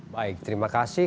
baik terima kasih